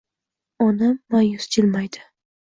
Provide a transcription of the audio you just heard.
Onam ma'yus jilmaydi: